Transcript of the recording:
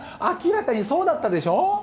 明らかにそうだったでしょ？